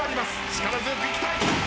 力強くいきたい！